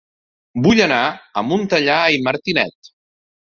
Vull anar a Montellà i Martinet